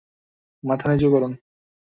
মাথা নিচু করুন!